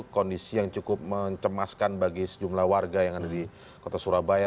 kondisi yang cukup mencemaskan bagi sejumlah warga yang ada di kota surabaya